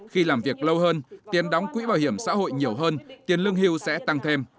khi làm việc lâu hơn tiền đóng quỹ bảo hiểm xã hội nhiều hơn tiền lương hưu sẽ tăng thêm